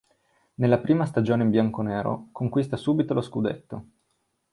Nella prima stagione in bianconero conquista subito lo scudetto.